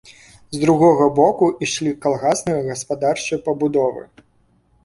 З другога боку ішлі калгасныя гаспадарчыя пабудовы.